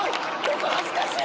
ここ恥ずかしい！